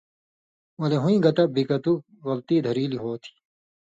ولے ہُویں گتہ بِگتُک غلطی دھریلیۡ ہو تھی،